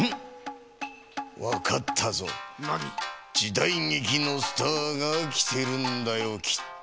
だいげきのスターがきてるんだよきっと。